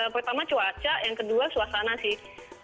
pertama cuaca yang kedua suasana sih